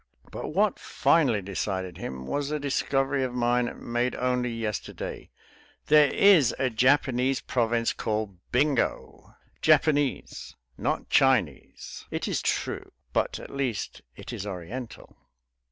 But what finally decided him was a discovery of mine made only yesterday. There is a Japanese province called Bingo. Japanese, not Chinese, it is true; but at least it is Oriental.